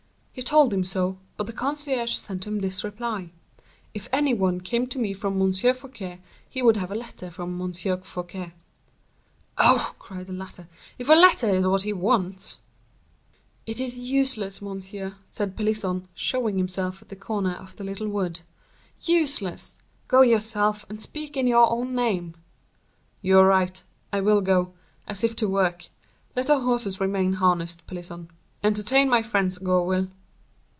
"He told him so, but the concierge sent him this reply: 'If any one came to me from M. Fouquet, he would have a letter from M. Fouquet.'" "Oh!" cried the latter, "if a letter is all he wants—" "It is useless, monsieur!" said Pelisson, showing himself at the corner of the little wood, "useless! Go yourself, and speak in your own name." "You are right. I will go in, as if to work; let the horses remain harnessed, Pelisson. Entertain my friends, Gourville."